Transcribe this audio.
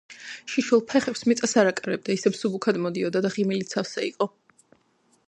შიშველ ფეხებს მიწას არ აკარებდა, ისე მსუბუქად მოდიოდა და ღიმილით სავსე იყო.